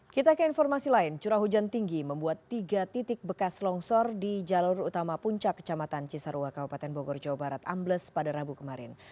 kita ke informasi lain curah hujan tinggi membuat tiga titik bekas longsor di jalur utama puncak kecamatan cisarua kabupaten bogor jawa barat ambles pada rabu kemarin